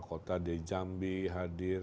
kota di jambi hadir